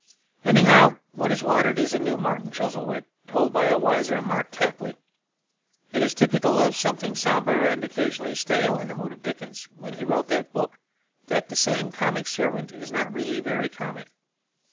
Anyhow, what is wanted is a new Martin Chuzzlewit, told by a wiser Mark Tapley. It is typical of something sombre and occasionally stale in the mood of Dickens when he wrote that book, that the comic servant is not really very comic.